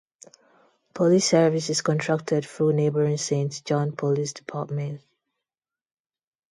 Police service is contracted through neighboring Saint John Police Department.